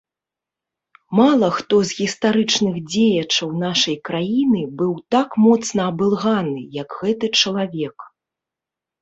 Мала хто з гістарычных дзеячаў нашай краіны быў так моцна абылганы, як гэты чалавек.